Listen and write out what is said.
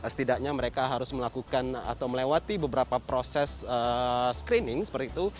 setidaknya mereka harus melakukan atau melewati beberapa proses screening seperti itu